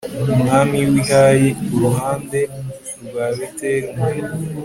umwami w'i hayi, iruhande rwa beteli, umwe